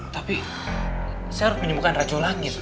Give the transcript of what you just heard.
tapi saya harus menjemputkan rajo langit